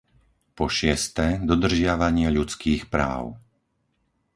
po šieste, dodržiavanie ľudských práv;